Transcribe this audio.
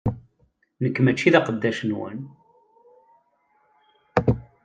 Nekk mačči d aqeddac-nwen!